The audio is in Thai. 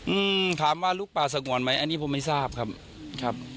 อืมถามว่าลุกป่าสงวนไหมอันนี้ผมไม่ทราบครับครับ